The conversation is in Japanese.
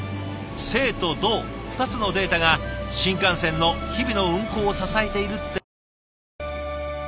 「静」と「動」２つのデータが新幹線の日々の運行を支えているってわけなんですね。